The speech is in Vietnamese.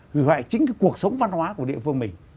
hủy hoại chính cái cuộc sống văn hóa của địa phương mình